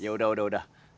yaudah udah udah